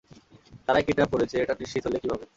তারাই কিডন্যাপ করেছে এটা নিশ্চিত হলে কীভাবে?